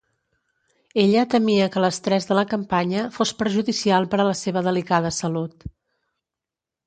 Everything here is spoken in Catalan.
Ella temia que l'estrès de la campanya fos perjudicial per a la seva delicada salut.